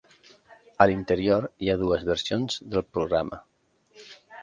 A l'interior hi ha dues versions del programa.